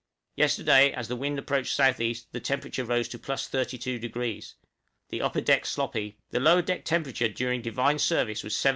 Yesterday, as the wind approached S.E., the temperature rose to +32°; the upper deck sloppy; the lower deck temperature during Divine Service was 75°!!